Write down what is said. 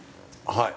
はい。